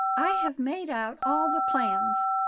"I have made out all the plans.